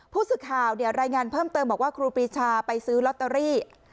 ผู้สื่อข่าวรายงานเพิ่มเติมบอกว่าครูปรีชาไปซื้อลอตเตอรี่